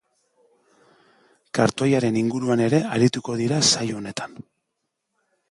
Kartoiaren inguruan ere arituko dira saio honetan.